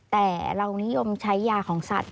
แต่เรานิยมใช้ยาของสัตว